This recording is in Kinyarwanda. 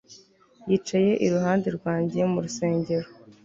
Yicaye iruhande rwanjye mu rusengero